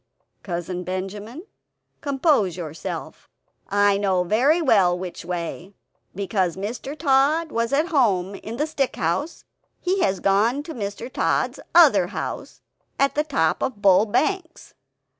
"Cousin Benjamin, compose yourself. I know very well which way. Because Mr. Tod was at home in the stick house he has gone to Mr. Tod's other house, at the top of Bull Banks.